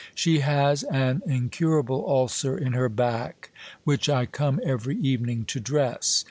She has an incurable ulcer in her back, which | I come every evening to dress.